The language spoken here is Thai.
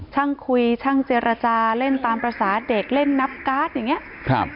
ช่างคุยช่างเจรจาเล่นตามภาษาเด็กเล่นนับการ์ดอย่างนี้ครับ